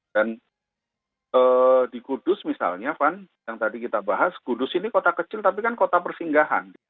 dan di kudus misalnya van yang tadi kita bahas kudus ini kota kecil tapi kan kota persinggahan